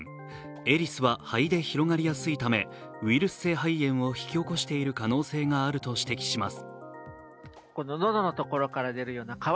エリスは肺で広がりやすいためウイルス性肺炎を引き起こしている可能性があると指摘します。